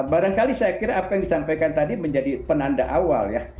barangkali saya kira apa yang disampaikan tadi menjadi penanda awal ya